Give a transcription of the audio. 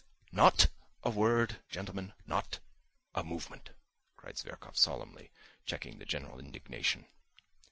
"Not a word, gentlemen, not a movement!" cried Zverkov solemnly, checking the general indignation.